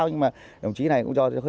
nhưng mà đồng chí này cũng cho